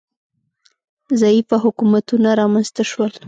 ضعیفه حکومتونه رامنځ ته شول